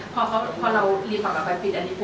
พอเรารีปรับกันไปปิดอันนี้